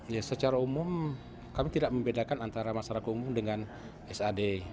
ya secara umum kami tidak membedakan antara masyarakat umum dengan sad